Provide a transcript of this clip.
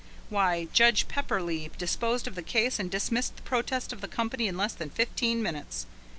Why, Judge Pepperleigh disposed of the case and dismissed the protest of the company in less than fifteen minutes!